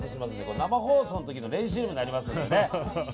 生放送の時の練習にもなりますので。